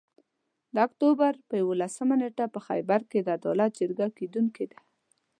د اُکټوبر پر یوولسمه نیټه په خېبر کې د عدالت جرګه کیدونکي ده